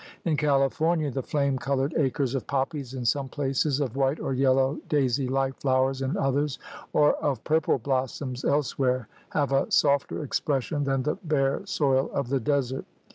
In California the flame colored acres of poppies in some places, of white or yellow daisy like flowers in others, or of purple blossoms else where have a softer expression than the bare soil of the desert.